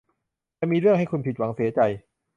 จะมีเรื่องให้คุณผิดหวังเสียใจ